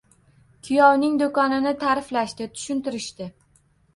Kuyovning do'konini ta'riflashdi, tushuntirishdi.